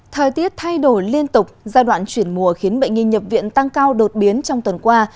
thời tiết thay đổi liên tục giai đoạn chuyển mùa khiến bệnh nghi nhập viện tăng cao đột biến trong tuần qua